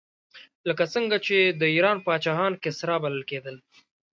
لکه څنګه چې د ایران پاچاهان کسرا بلل کېدل.